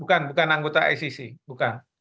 bukan bukan anggota icc bukan